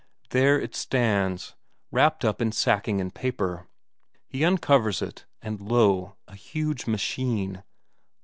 There it stands, wrapped up in sacking and paper; he uncovers it, and lo, a huge machine.